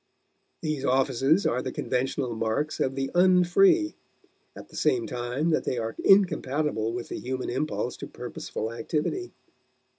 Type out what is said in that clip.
These offices are the conventional marks of the un free, at the same time that they are incompatible with the human impulse to purposeful activity.